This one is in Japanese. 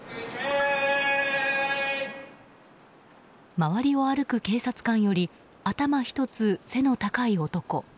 周りを歩く警察官より頭一つ背の高い男。